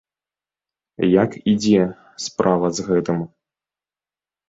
Як ідзе справа з гэтым?